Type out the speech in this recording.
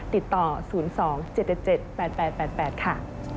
ติดต่อ๐๒๗๗๘๘ค่ะ